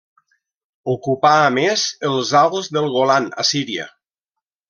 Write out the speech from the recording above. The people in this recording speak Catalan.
Ocupà, a més, els Alts del Golan a Síria.